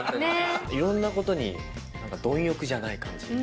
いろんなことになんか貪欲じゃない感じ。